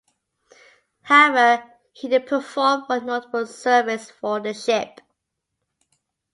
However he did perform one notable service for the ship.